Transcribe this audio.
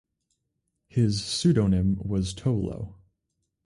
His pseudonym was "Tolo".